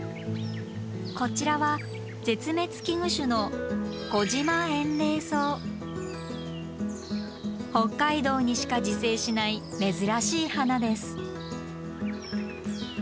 こちらは絶滅危惧種の北海道にしか自生しない珍しい花です。